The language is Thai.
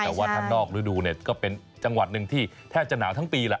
แต่ว่าถ้านอกฤดูเนี่ยก็เป็นจังหวัดหนึ่งที่แทบจะหนาวทั้งปีแหละ